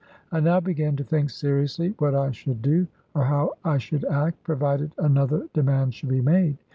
I now began to think seriously what I should do, or how I should act, provided another de mand should be made.